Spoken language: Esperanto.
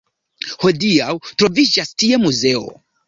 Hodiaŭ troviĝas tie muzeo.